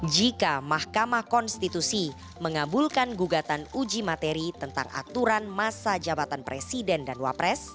jika mahkamah konstitusi mengabulkan gugatan uji materi tentang aturan masa jabatan presiden dan wapres